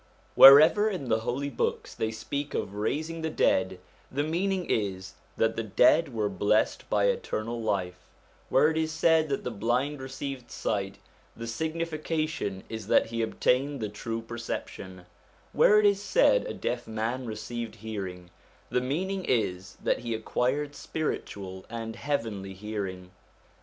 Wherever in the Holy Books they speak of raising the dead, the meaning is that the dead were blessed by eternal life ; where it is said that the blind received sight, the signi fication is that he obtained the true perception ; where it is said a deaf man received hearing, the meaning is that he acquired spiritual and heavenly hearing.